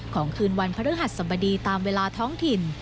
คืนวันพระฤหัสสบดีตามเวลาท้องถิ่น